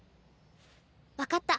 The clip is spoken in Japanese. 分かった。